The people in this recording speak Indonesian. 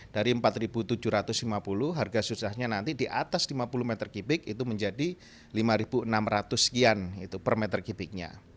dari rp empat tujuh ratus lima puluh harga suksesnya nanti di atas lima puluh meter kubik itu menjadi lima enam ratus sekian per meter kubiknya